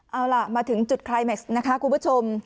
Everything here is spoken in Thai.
เอาล่ะมาถึงจุดคลายเม็กซ์นะคะคุณผู้ชม